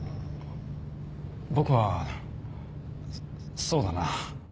僕はそうだなあ。